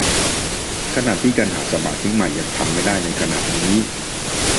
ขณะที่การหาสมาชิกใหม่ยังทำไม่ได้ในขณะนี้